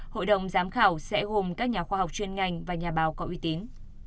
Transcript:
hội đồng giám khảo sẽ gồm các nhà khoa học chuyên ngành và nhà báo có uy tín